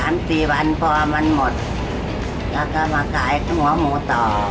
แล้วก็วันปอล์มันหมดแล้วก็มาการก๋อหมูต่อ